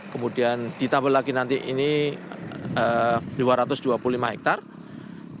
kemudian ditambah lagi nanti ini dua ratus dua puluh lima hektare